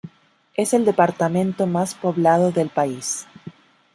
Es el departamento más poblado del país.